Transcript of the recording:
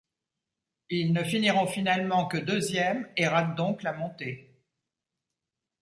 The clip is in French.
Ils ne finiront finalement que deuxième et ratent donc la montée.